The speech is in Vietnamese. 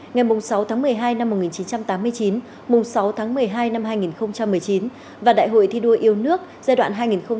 ngày sáu tháng một mươi hai năm một nghìn chín trăm tám mươi chín sáu tháng một mươi hai năm hai nghìn một mươi chín và đại hội thi đua yêu nước giai đoạn hai nghìn hai mươi hai nghìn hai mươi năm